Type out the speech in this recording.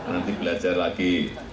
nanti belajar lagi